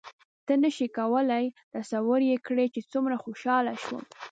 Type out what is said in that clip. ته نه شې کولای تصور یې کړې چې څومره خوشحاله شوم.